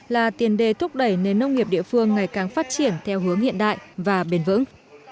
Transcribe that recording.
là tiền đề thúc đẩy nền nông nghiệp địa phương ngày càng phát triển theo hướng hiện đại và bền vững